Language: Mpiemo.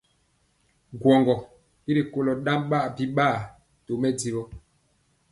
Gwɔŋgɔ i kolo ɗaŋ biɓaa to sombi.